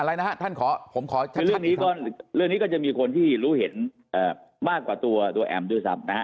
อะไรนะฮะท่านขอผมขอชัดเรื่องนี้ก็จะมีคนที่รู้เห็นมากกว่าตัวแอมพ์ด้วยซ้ำนะฮะ